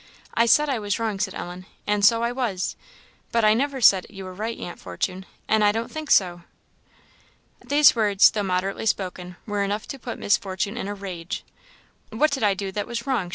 "I said I was wrong," said Ellen "and so I was; but I never said you were right, Aunt Fortune, and I don't think so." These words, though moderately spoken, were enough to put Miss Fortune in a rage. "What did I do that was wrong?"